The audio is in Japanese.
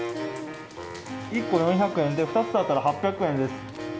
１個４００円で２つだったら８００円です。